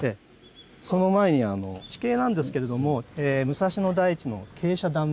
その前に地形なんですけれども武蔵野台地の傾斜断面図。